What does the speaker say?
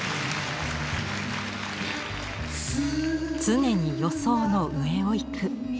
常に予想の上を行く。